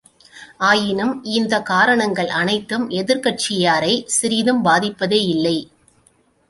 ஆயினும் இந்தக் காரணங்கள் அனைத்தும் எதிர்க் கட்சியாரைச் சிறிதும் பாதிப்பதே யில்லை.